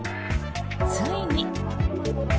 ついに。